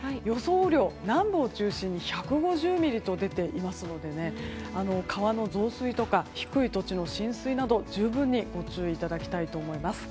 雨量、南部を中心に１５０ミリと出ていますので川の増水とか低い土地の浸水など十分にご注意いただきたいと思います。